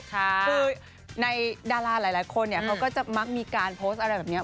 คือในดาราหลายคนเนี่ยเขาก็จะมักมีการโพสต์อะไรแบบนี้